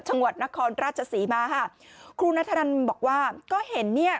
จังหวัดนครราชศรีมาค่ะครูนัทนันบอกว่าก็เห็นเนี่ย